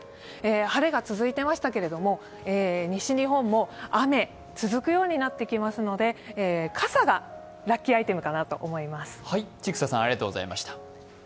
晴れが続いていましたけれども西日本も雨、続くようになってきますので傘がラッキーアイテムかなと思います。